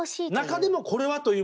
中でもこれはというものを。